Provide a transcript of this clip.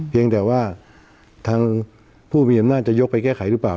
เพียงแต่ว่าทางผู้มีอำนาจจะยกไปแก้ไขหรือเปล่า